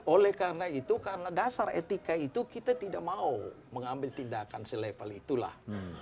oleh karena itu karena dasar etika itu kita tidak mau mengambil tindakan selevel itulah